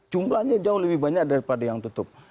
jumlahnya jauh lebih banyak daripada yang tutup